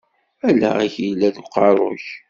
Allaɣ-ik yella deg uqerru-k.